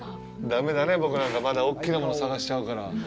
だめだね、僕なんか、まだ大きなものを探しちゃうから。